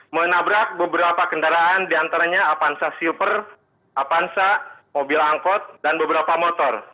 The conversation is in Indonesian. menabrak beberapa kendaraan di antaranya apanza silver apanza mobil angkot dan beberapa motor